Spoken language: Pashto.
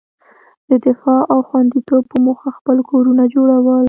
د دفاع او خوندیتوب په موخه خپل کورونه جوړول.